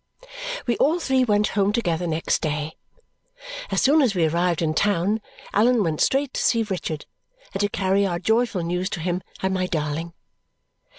We all three went home together next day. As soon as we arrived in town, Allan went straight to see Richard and to carry our joyful news to him and my darling.